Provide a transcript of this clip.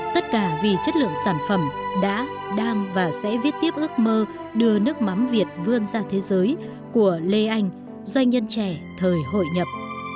tất cả vì chất lượng sản phẩm đã đang và sẽ viết tiếp ước mơ đưa nước mắm việt vươn ra thế giới của lê anh doanh nhân trẻ thời hội nhập